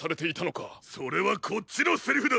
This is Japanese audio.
それはこっちのセリフだ！